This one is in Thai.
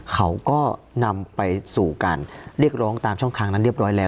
เขาก็นำไปสู่การเรียกร้องตามช่องทางนั้นเรียบร้อยแล้ว